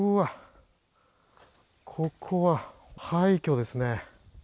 ここは廃虚ですね。